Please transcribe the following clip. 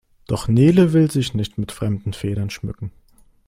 Doch Nele will sich nicht mit fremden Federn schmücken.